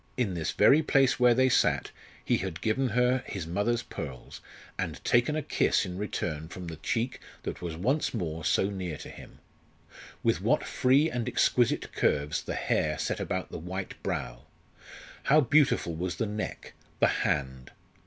In this very place where they sat he had given her his mother's pearls, and taken a kiss in return from the cheek that was once more so near to him. With what free and exquisite curves the hair set about the white brow! How beautiful was the neck the hand!